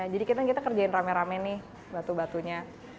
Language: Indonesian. jadi kita ngekerjain rame rame nih batu batunya